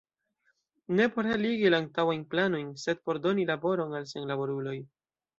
Ne por realigi la antaŭajn planojn, sed por doni laboron al senlaboruloj.